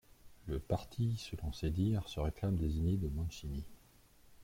Le Parti selon ses dires se réclame des idées de Mancini.